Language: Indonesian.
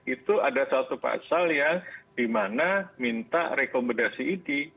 itu ada satu pasal yang dimana minta rekomendasi idi